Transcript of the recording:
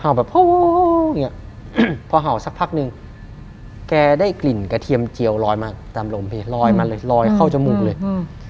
ห่าวแบบพอห่าวสักพักหนึ่งแกได้กลิ่นกระเทียมเจียวลอยมาตามโลมพี่ลอยมาเลยลอยเข้าจมูกเลยอืม